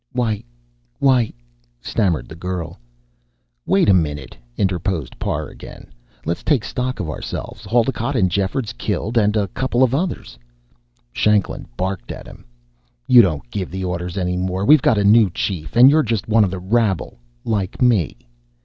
"Why why " stammered the girl. "Wait a minute," interposed Parr again. "Let's take stock of ourselves. Haldocott and Jeffords killed and a couple of others " Shanklin barked at him. "You don't give orders any more. We've got a new chief, and you're just one of the rabble, like me."